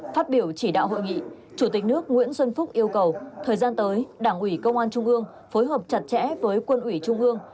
phát biểu chỉ đạo hội nghị chủ tịch nước nguyễn xuân phúc yêu cầu thời gian tới đảng ủy công an trung ương phối hợp chặt chẽ với quân ủy trung ương